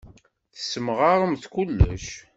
Tessemɣaremt kullec.